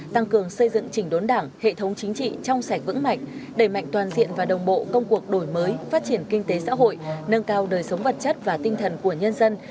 tăng cường xây dựng chỉnh đốn đảng hệ thống chính trị trong sạch vững mạnh đẩy mạnh toàn diện và đồng bộ công cuộc đổi mới phát triển kinh tế xã hội nâng cao đời sống vật chất và tinh thần của nhân dân